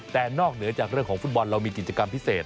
แต่นอกเหนือจากเรื่องของฟุตบอลเรามีกิจกรรมพิเศษ